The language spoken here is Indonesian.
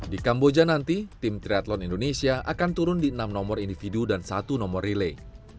di kamboja nanti tim triathlon indonesia akan turun di enam nomor individu dan satu nomor relay